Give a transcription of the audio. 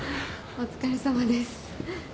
お疲れさまです。